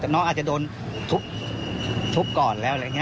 น้องอาจจะโดนทุบก่อนแล้ว